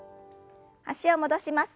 脚を戻します。